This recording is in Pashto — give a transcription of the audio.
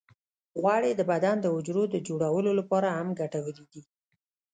غوړې د بدن د حجرو د جوړولو لپاره هم ګټورې دي.